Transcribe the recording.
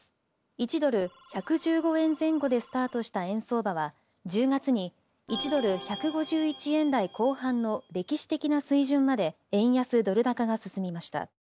１ドル１１５円前後でスタートした円相場は１０月に１ドル１５１円台後半のれきし的なすいじゅんまで円安ドル高が進みました。